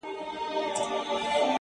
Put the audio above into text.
o راسره جانانه ستا بلا واخلم؛